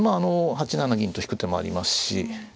８七銀と引く手もありますし。